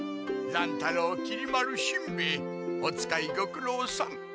乱太郎きり丸しんべヱお使いごくろうさん。